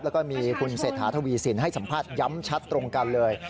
แล้วก็มีคุณเศรษฐาทวีสินให้สัมภาษณ์ย้ำชัดตรงกันเลย